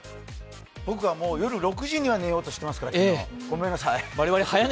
僕はもう夜６時には寝ようとしてますから、ごめんなさい。